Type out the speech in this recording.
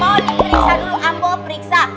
oh diperiksa dulu ambo periksa